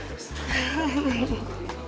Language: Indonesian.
tunggu tunggu tunggu